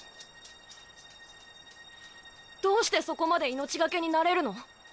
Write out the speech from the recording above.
どうしてそこまで命懸けになれるの？